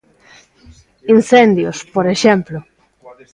Incendios, por exemplo.